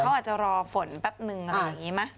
เขาก็อาจจะรอฝนแปะหนึ่งแบบนี้ไหม